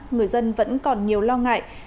người dân vẫn còn nhiều lo ngại